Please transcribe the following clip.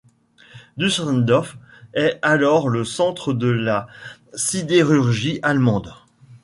Düsseldorf est alors le centre de la sidérurgie allemande.